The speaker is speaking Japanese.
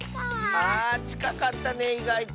あちかかったねいがいと。